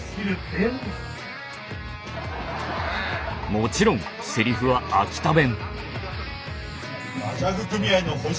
もちろんセリフは秋田弁。